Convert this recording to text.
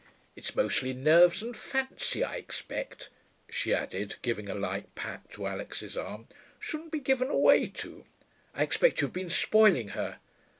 'It's mostly nerves and fancy, I expect,' she added, giving a light pat to Alix's arm. 'Shouldn't be given way to. I expect you've been spoiling her.'